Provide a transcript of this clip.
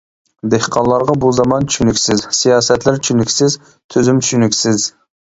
دېھقانلارغا بۇ زامان چۈشىنىكسىز، سىياسەتلەر چۈشىنىكسىز، تۈزۈم چۈشىنىكسىز.